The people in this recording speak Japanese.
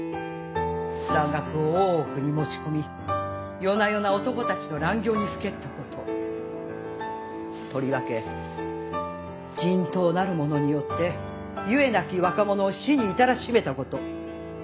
蘭学を大奥に持ち込み夜な夜な男たちと乱行にふけったこととりわけ人痘なるものによってゆえなき若者を死に至らしめたこと。